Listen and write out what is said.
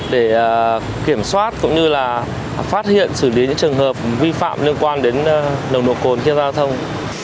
để kiểm soát cũng như là phát hiện xử lý những trường hợp vi phạm liên quan đến nồng độ cồn khi giao thông